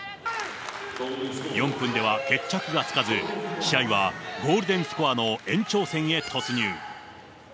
４分では決着がつかず、試合はゴールデンスコアの延長戦へ突入。